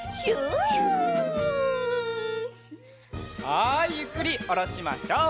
はいゆっくりおろしましょう。